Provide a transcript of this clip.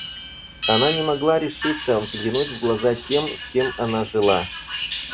Она не могла решиться взглянуть в глаза тем, с кем она жила.